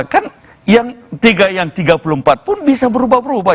kan yang tiga puluh empat pun bisa berubah berubah